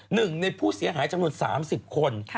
หนึ่งในผู้เสียหายจำนวน๓๐คน